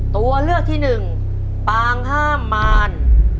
ตัวเลือกที่หนึ่งปางห้ามมาร